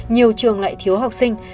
nhiều trường lại thiếu học sinh